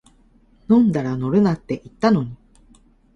飲んだら乗るなって言ったのに